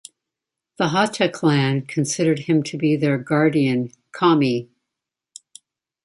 The Hata clan considered him their guardian Kami.